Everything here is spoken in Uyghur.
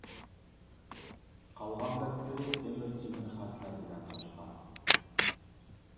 قالغان بەتلىرى ئىمىر-چىمىر خەتلەر بىلەن توشقان.